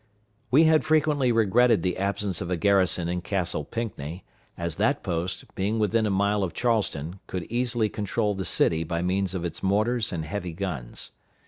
We had frequently regretted the absence of a garrison in Castle Pinckney, as that post, being within a mile of Charleston, could easily control the city by means of its mortars and heavy guns.